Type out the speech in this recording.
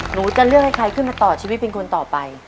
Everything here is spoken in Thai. หนูจะเลือกให้ใครขึ้นมาต่อชีวิตเป็นคนต่อไป